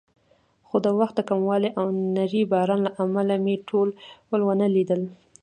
خو د وخت د کموالي او نري باران له امله مې ټول ونه لیدل.